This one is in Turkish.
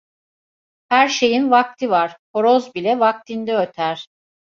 Her şeyin vakti var, horoz bile vaktinde öter.